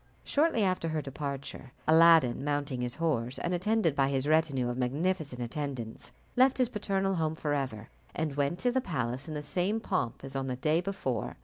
Shortly after her departure, Aladdin, mounting his horse, and attended by his retinue of magnificent attendants, left his paternal home forever, and went to the palace in the same pomp as on the day before.